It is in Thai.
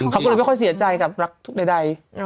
เขาก็เลยไม่ค่อยเสียใจกับรักใด